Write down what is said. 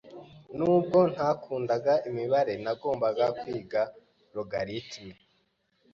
Nubwo ntakundaga imibare, nagombaga kwiga logarithms.